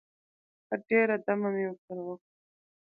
ښه ډېره دمه مې ورسره وکړه.